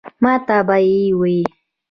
ماته به ئې وې ـ